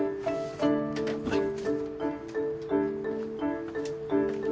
はい。